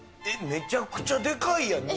めちゃくちゃでかいやん、肉。